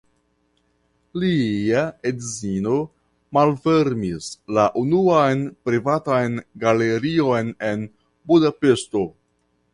Lia edzino malfermis la unuan privatan galerion en Budapeŝto.